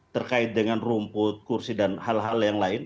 terkait dengan rumput kursi dan hal hal yang lain